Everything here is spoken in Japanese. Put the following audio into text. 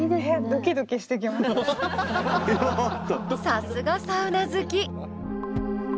さすがサウナ好き。